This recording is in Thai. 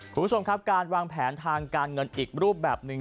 คุณผู้ชมครับการวางแผนทางการเงินอีกรูปแบบหนึ่ง